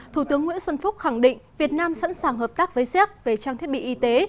thủ tướng nguyễn xuân phúc khẳng định việt nam sẵn sàng hợp tác với séc về trang thiết bị y tế